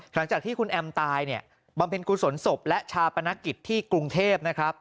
หลังจากที่คุณแอมตายเนี่ยบำเพ็ญกุศลศพและชาปนกิจที่กรุงเทพนะครับ